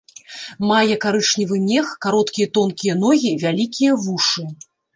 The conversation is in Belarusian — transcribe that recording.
Мае карычневы мех, кароткія тонкія ногі, вялікія вушы.